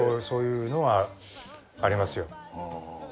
そういうのはありますよ。